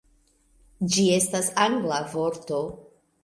Ĝi estas angla vorto